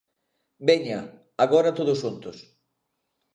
Veña, agora todos xuntos.